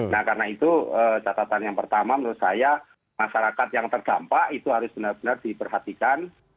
nah karena itu catatan yang pertama menurut saya masyarakat yang terdampak itu harus benar benar diperhatikan